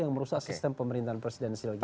yang merusak sistem pemerintahan presidensial